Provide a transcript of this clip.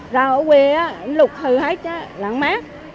rau ở quê lụt hư hết chứ lãng mát